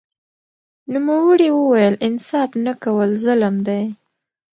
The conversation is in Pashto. نوموړي وویل انصاف نه کول ظلم دی